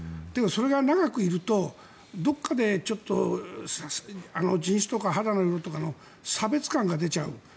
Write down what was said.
だけど、それが長くいるとどこかで人種とか肌の色とかの差別感が出ちゃう。